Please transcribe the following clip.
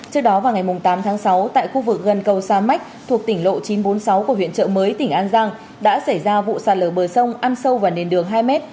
trước đó vào ngày tám tháng sáu tại khu vực gần cầu sa mách thuộc tỉnh lộ chín trăm bốn mươi sáu của huyện trợ mới tỉnh an giang đã xảy ra vụ sạt lở bờ sông ăn sâu vào nền đường hai m